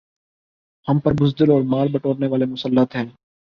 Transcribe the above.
ہم پر بزدل اور مال بٹورنے والے مسلط ہیں